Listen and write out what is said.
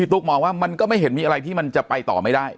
ตุ๊กมองว่ามันก็ไม่เห็นมีอะไรที่มันจะไปต่อไม่ได้